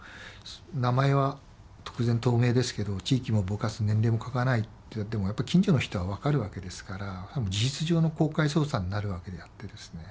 地域もぼかす年齢も書かないってやってもやっぱ近所の人は分かるわけですから事実上の公開捜査になるわけであってですね。